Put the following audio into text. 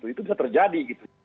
itu bisa terjadi